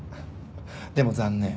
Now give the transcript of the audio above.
でも残念。